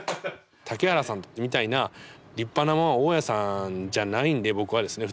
竹原さんみたいな立派な大家さんじゃないんで僕はですね